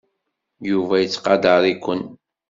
Yuba yettqadar-iken.